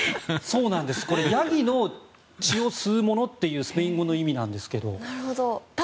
これ、ヤギの血を吸う者というスペイン語の意味なんですが。